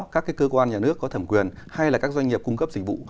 các cơ quan nhà nước có thẩm quyền hay là các doanh nghiệp cung cấp dịch vụ